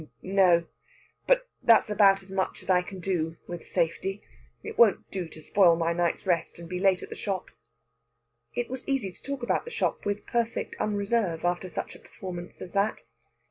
"N no; but that's about as much as I can do, with safety. It won't do to spoil my night's rest, and be late at the shop." It was easy to talk about the shop with perfect unreserve after such a performance as that.